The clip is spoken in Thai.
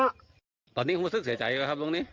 อ่ะตอนนี้ลุงไม่ได้เสียใจหรอครับลุง